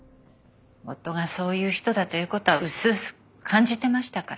夫がそういう人だという事は薄々感じてましたから。